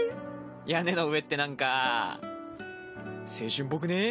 屋根の上ってなんか青春っぽくねぇ？